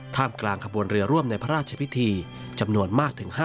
มกลางขบวนเรือร่วมในพระราชพิธีจำนวนมากถึง๕๐